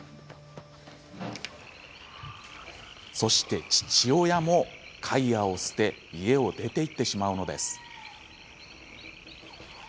そして父親も、カイアを捨て家を出て行ってしまうのです。